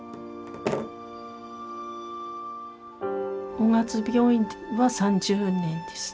雄勝病院は３０年です。